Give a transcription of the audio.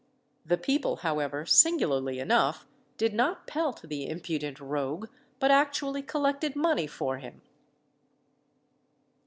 The people, however, singularly enough, did not pelt the impudent rogue, but actually collected money for him.